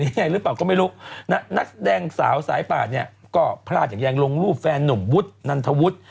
ยังไงหรือเปล่าก็ไม่รู้นะนักแสดงสาวสายป่านเนี่ยก็พลาดอย่างยังลงรูปแฟนนุ่มวุฒนันทวุฒิ